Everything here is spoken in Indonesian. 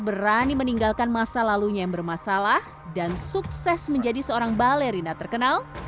saya tidak bisa melakukan apa apa dengan penari balet di kota kecil